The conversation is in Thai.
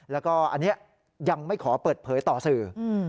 แล้วก็อันนี้ยังไม่ขอเปิดเผยต่อสื่อ